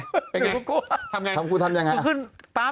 จะทำกูทำยังไง